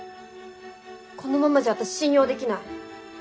このままじゃ私信用できない。